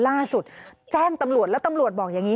ล่าสุดแจ้งตำรวจแล้วตำรวจบอกอย่างนี้